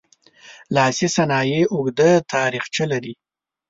لاسي صنایع اوږده تاریخچه لري.